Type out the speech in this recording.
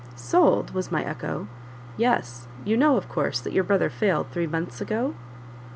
"Sold!" was my echo. "Yes; you know, of course, that your brother failed three months ago?"